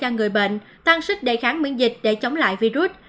cho người bệnh tăng sức đề kháng miễn dịch để chống lại virus